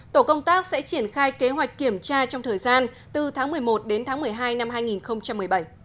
tổ công tác sẽ triển khai kế hoạch kiểm tra trong thời gian từ tháng một mươi một đến tháng một mươi hai năm hai nghìn một mươi bảy